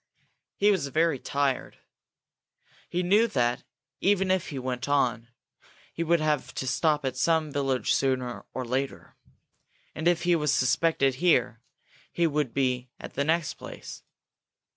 He was very tired. He knew that, even if he went on, he would have to stop at some village sooner or later. And if he was suspected here, he would be at the next place.